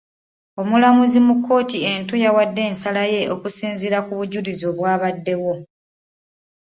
Omulamuzi mu kkooti ento yawadde ensala ye okusinziira ku bujulizi obwabaddewo.